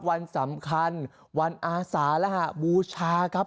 วันสำคัญวันอาสารหบูชาครับ